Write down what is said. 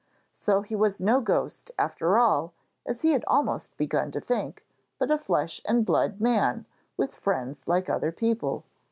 So he was no ghost after all, as he had almost begun to think, but a flesh and blood man, with friends like other people.